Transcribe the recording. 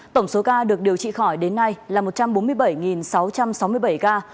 tổng số ca được điều trị khỏi đến nay là một trăm bốn mươi bảy sáu trăm sáu mươi bảy ca